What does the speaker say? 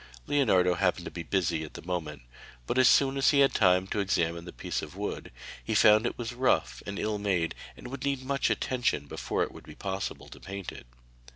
Leonardo happened to be busy at the moment, but as soon as he had time to examine the piece of wood he found it was rough and ill made, and would need much attention before it would be possible to paint it.